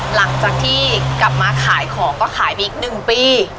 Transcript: หลังจากที่กลับมาขายของก็ขายไปอีก๑ปี